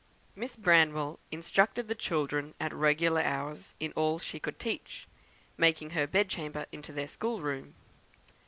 Miss Branwell instructed the children at regular hours in all she could teach, making her bed chamber into their schoolroom.